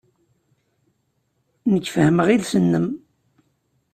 Nekk fehhmeɣ iles-nnem.